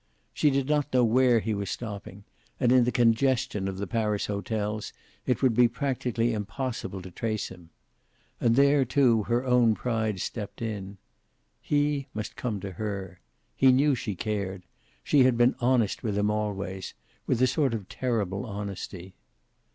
She did not know where he was stopping, and in the congestion of the Paris hotels it would be practically impossible to trace him. And there, too, her own pride stepped in. He must come to her. He knew she cared. She had been honest with him always, with a sort of terrible honesty.